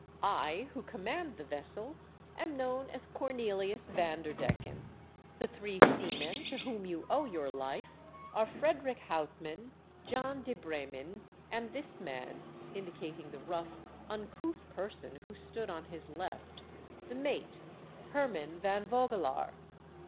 " I, who command the vessel, am known as Cornelius Vanderdecken ; the three sea men, to whom you owe your life, are Frederick Houtman, John de Bremen, and this man," indicating the rough, uncouth person who stood on his left, "the mate, Herman Van Vogelaar."